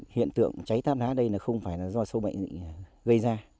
hiện tượng cháy táp lá đây không phải là do sâu bệnh gây ra